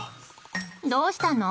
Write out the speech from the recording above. どうしたの？